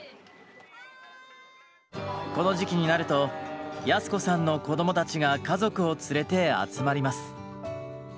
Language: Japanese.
この時期になると靖子さんの子供たちが家族を連れて集まります。